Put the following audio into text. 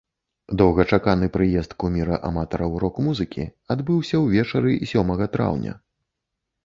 Доўгачаканы прыезд куміра аматараў рок-музыкі адбыўся ўвечары сёмага траўня.